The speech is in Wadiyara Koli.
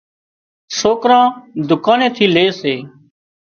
سوڪران ڌُڪاني ٿي لي سي